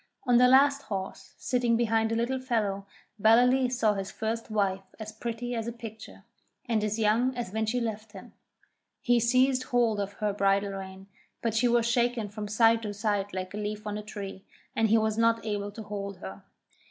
On the last horse, sitting behind a Little Fellow, Ballaleece saw his first wife as pretty as a picture, and as young as when she left him. He seized hold of her bridle rein, but he was shaken from side to side like a leaf on a tree, and he was not able to hold her.